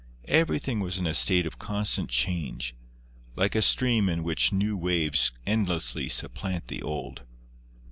Everything was in a state of constant change, like a stream in which new waves endlessly supplant the old.